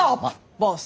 ボス。